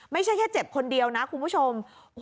ไม่ใช่แค่เจ็บคนเดียวนะคุณผู้ชม